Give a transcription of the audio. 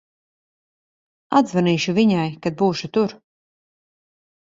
Atzvanīšu viņai, kad būšu tur.